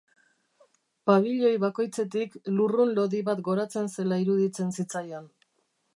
Pabiloi bakoitzetik lurrun lodi bat goratzen zela iruditzen zitzaion.